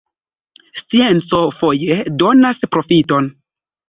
Scienco foje donas proﬁton.